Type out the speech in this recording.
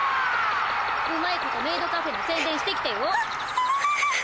うまいことメイドカフェの宣伝してきてよ。